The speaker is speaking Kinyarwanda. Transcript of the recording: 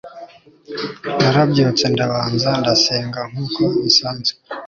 narabyutse ndabanza ndasenga nkuko bisanzwe